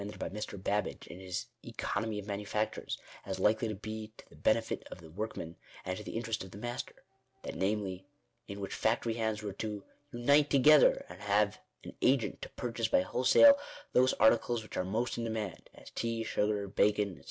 Digitized by VjOOQIC 10 INTRODUCTION. kindred plan recommended by Mr. Babbage in his " Economy of Manufactures," as likely to be to the benefit of the workmen and to the interest of the master ; that namely, in which factory hands were to " unite together, and have an agent to purchase by wholesale those articles which are most in demand ; as tea, sugar, bacon, &c.